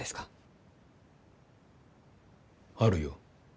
あるよ。